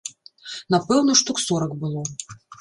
Напэўна, штук сорак было.